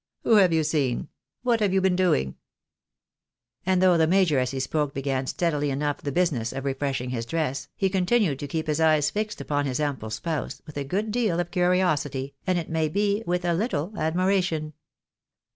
Who have you seen ?— what have you been doing ?" And though the major as he spoke began steadily enough the business of refreshing his dress, he continued to keep his eyes fixed upon his ample spouse, with a good deal of curiosity, and it may be, with a little admiration.